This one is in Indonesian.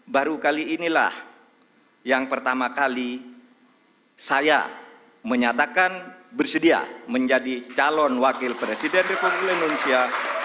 baru kali inilah yang pertama kali saya menyatakan bersedia menjadi calon wakil presiden republik indonesia